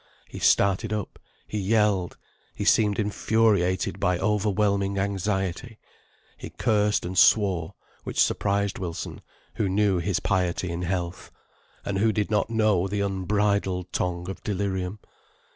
He started up, he yelled, he seemed infuriated by overwhelming anxiety. He cursed and swore, which surprised Wilson, who knew his piety in health, and who did not know the unbridled tongue of delirium.